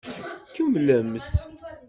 Kemmlemt!